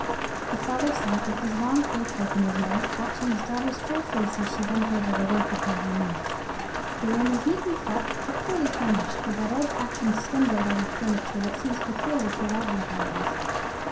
The father sat with his long clay pipe in his mouth, watching his daughter's fair face as she bent over the work upon her knee. The room was neatly kept, but poorly furnished, with that old fashioned spindle legged furniture which seems peculiar to lodging houses.